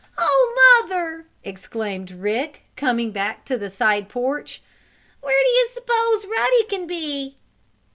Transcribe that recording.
"Oh, Mother!" exclaimed Rick, coming back to the side porch. "Where do you s'pose Ruddy can be?"